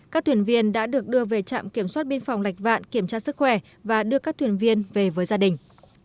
các thuyền viên đã được đưa về trạm kiểm soát biên phòng lạch vạn kiểm tra sức khỏe và đưa các thuyền viên về với gia đình